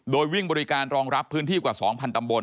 โดยวิ่งบริการรองรับพื้นที่กว่า๒๐๐ตำบล